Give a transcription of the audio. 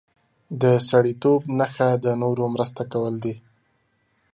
د سړیتوب نښه د نورو مرسته کول دي.